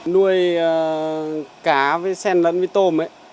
nuôi cá với sen lẫn với tôm ấy